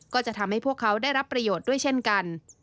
ก็จะทำให้พวกเขาได้รับประโยชน์ด้วยเช่นกัน